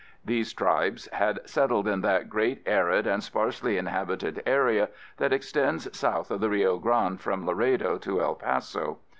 These tribes had settled in that great arid and sparsely inhabited area that extends south of the Rio Grande from Laredo to El Paso.